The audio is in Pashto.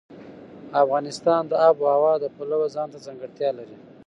افغانستان د آب وهوا د پلوه ځانته ځانګړتیا لري.